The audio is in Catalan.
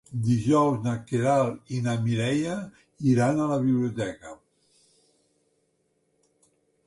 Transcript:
Dijous na Queralt i na Mireia iran a la biblioteca.